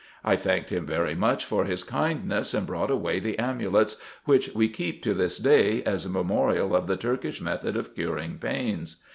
I thanked him very much for his kindness, and brought away the amulets, which we keep to this day, as a memorial of the Turkish method of curing pains.